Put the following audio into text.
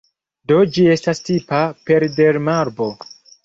Do ĝi estas tipa peridermarbo.